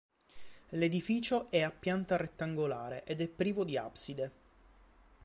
L'edificio è a pianta rettangolare ed è privo di abside.